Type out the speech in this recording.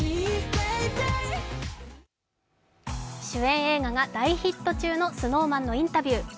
主演映画が大ヒット中のＳｎｏｗＭａｎのインタビュー。